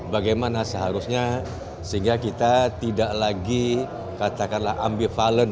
bagaimana seharusnya sehingga kita tidak lagi katakanlah ambivalent